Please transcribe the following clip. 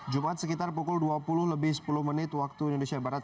jumat sekitar pukul dua puluh lebih sepuluh menit waktu indonesia barat